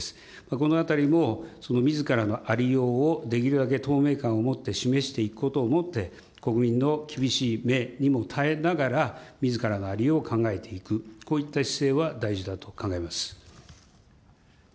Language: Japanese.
このあたりもみずからのありようをできるだけ透明感をもって示していくことをもって、国民の厳しい目にも耐えながら、みずからのありようを考えていく、こういった姿勢は大事だと考えます。